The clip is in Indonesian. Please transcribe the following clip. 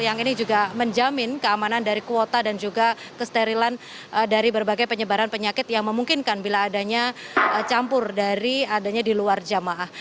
yang ini juga menjamin keamanan dari kuota dan juga kesterilan dari berbagai penyebaran penyakit yang memungkinkan bila adanya campur dari adanya di luar jamaah